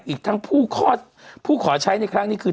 อีกทั้งผู้ขอใช้ในครั้งนี้คือ